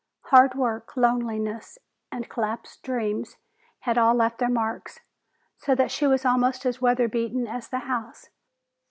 Hard work, loneliness and collapsed dreams had all left their marks, so that she was almost as weather beaten as the house.